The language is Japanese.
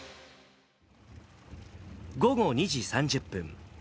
午後２時３０分。